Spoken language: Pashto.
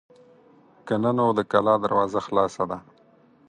که نه نو د کلا دروازه خلاصه ده.